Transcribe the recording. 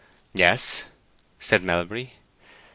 "Yes," said Melbury.